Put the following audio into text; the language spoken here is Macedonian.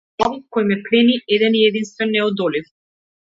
Заради градот кој ме плени - еден и единствен, неодолив.